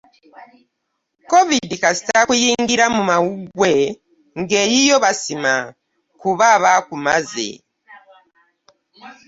Covid kasita akuyingira mu mawuggwe nga eyiyo basima kuba aba akumaze